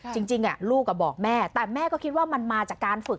จริงลูกบอกแม่แต่แม่ก็คิดว่ามันมาจากการฝึก